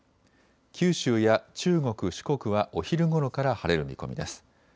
九州や中国・四国はお昼ごろから晴れる見込みです。